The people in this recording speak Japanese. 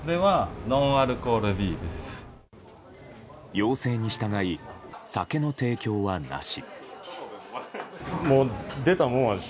要請に従い、酒の提供はなし。